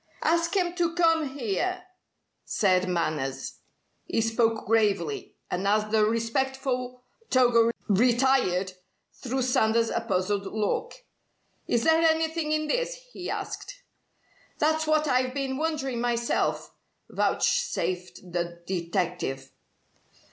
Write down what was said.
"Ask him to come here," said Manners. He spoke gravely, and as the respectful Togo retired, threw Sanders a puzzled look. "Is there anything in this?" he asked. "That's what I've been wondering myself," vouchsafed the detective.